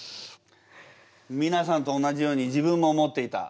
みなさんと同じように自分も思っていた。